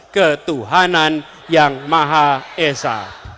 ketuhanan yang maha esa